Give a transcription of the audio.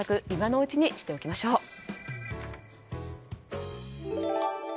今のうちにしておきましょう。